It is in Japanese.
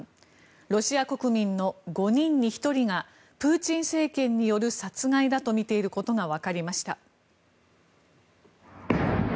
ロシア国民の５人に１人がプーチン政権による殺害だとみていることがわかりました。